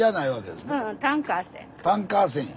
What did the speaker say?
タンカー船や。